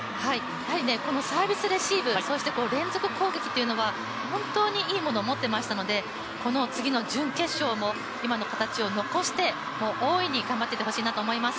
やはりサービスレシーブ、そして連続攻撃というのは本当にいいものを持ってましたので、この次の準決勝も今の形を残して、大いに頑張っていってほしいと思います。